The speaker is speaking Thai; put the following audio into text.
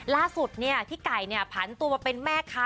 ล่าสุดพี่ไก่ผันตัวเป็นแม่ค้า